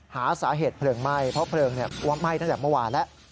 หาสาเหตุเพลิงไหม้เพราะเพลิงว่าไหม้ตั้งแต่เมื่อวานแล้ว